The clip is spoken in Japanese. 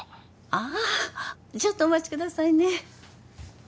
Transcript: ああちょっとお待ちくださいね